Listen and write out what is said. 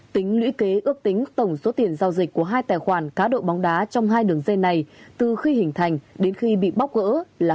tính lũy kế ước tính tổng số tiền giao dịch của hai tài khoản cá độ bóng đá trong hai đường dây này từ khi hình thành đến khi bị bóc gỡ là